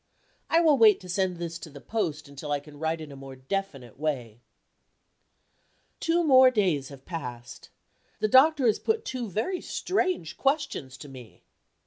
I will wait to send this to the post until I can write in a more definite way. Two days more have passed. The doctor has put two very strange questions to me.